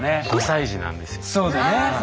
そうだね。